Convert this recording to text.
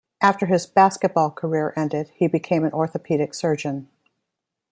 After his basketball career ended, he became an orthopedic surgeon.